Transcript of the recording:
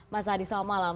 mas adi selamat malam